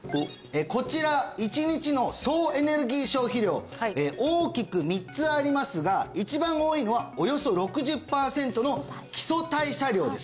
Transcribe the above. こちら１日の総エネルギー消費量大きく３つありますが一番多いのはおよそ６０パーセントの基礎代謝量です